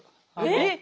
えっ！